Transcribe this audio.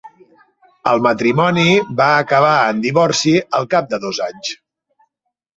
El matrimoni va acabar en divorci al cap de dos anys.